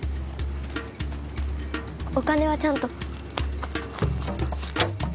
お金はちゃんと。